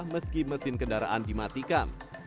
meski mesin kendaraan dimatikan